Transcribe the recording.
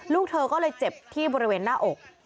ลูกเธอก็เลยเจ็บที่บริเวณหน้าอก